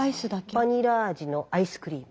バニラ味のアイスクリーム。